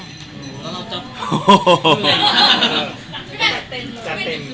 แล้วเราจะโอ้โฮ